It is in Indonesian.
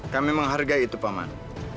kami menghargai itu paman